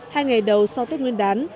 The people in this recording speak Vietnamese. hai ngày đầu sau tết nguyên đán